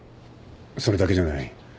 それだけじゃない。